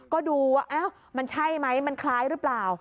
ก็ดูว่ามันใช่ไหมมันคล้ายหรือเปล่า